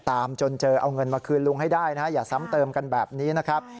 ตามจนเจอเอาเงินมาคืนลุงให้ได้นะฮะอย่าซ้ำเติมกันแบบนี้นะครับ